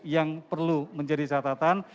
yang perlu menjadi syaratan